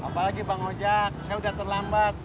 apa lagi bang ojak saya udah terlambat